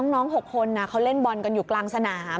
น้อง๖คนเขาเล่นบอลกันอยู่กลางสนาม